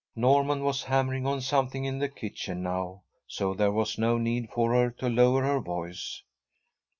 Norman was hammering on something in the kitchen now, so there was no need for her to lower her voice.